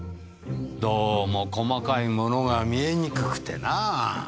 どうも細かいものが見えにくくてなあ。